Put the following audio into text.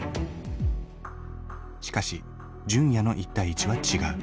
しかし純也の１対１は違う。